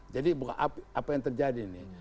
jadi apa yang terjadi nih